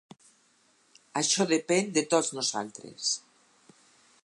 Això depèn de tots nosaltres.